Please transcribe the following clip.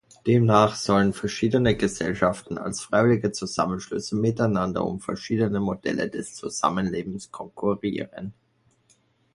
Demnach sollen verschiedene Gesellschaften als freiwillige Zusammenschlüsse miteinander um verschiedene Modelle des Zusammenlebens konkurrieren.